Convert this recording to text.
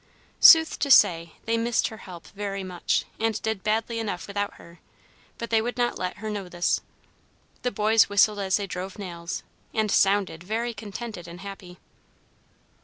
Sooth to say, they missed her help very much, and did badly enough without her, but they would not let her know this. The boys whistled as they drove nails, and sounded very contented and happy.